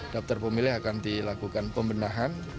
daftar pemilih akan dilakukan pembenahan